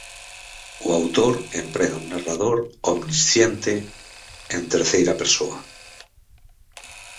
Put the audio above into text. O autor emprega un narrador omnisciente en terceira persoa.